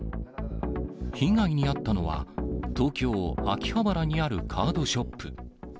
被害に遭ったのは、東京・秋葉原にあるカードショップ。